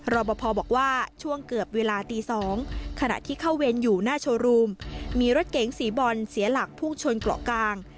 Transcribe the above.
รอปภบอกว่าช่วงเกือบเวลาตี๒ขณะที่เข้าเวรอยู่หน้าโชว์รูมมีรถเก๋งสีบอลเสียหลักพุ่งชนเกาะกลาง